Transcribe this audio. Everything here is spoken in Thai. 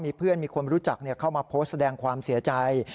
มีเพื่อนมีคนรู้จักเข้ามาโพสต์แสดงความเสียใจ